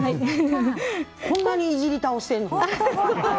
こんなにいじり倒してるのに？